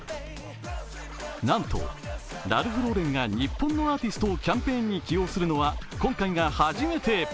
なんとラルフローレンが日本のアーティストをキャンペーンに起用するのは今回が初めて。